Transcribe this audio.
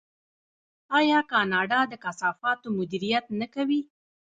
آیا کاناډا د کثافاتو مدیریت نه کوي؟